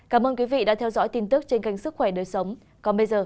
cảm ơn quý vị đã theo dõi tin tức trên kênh sức khỏe đời sống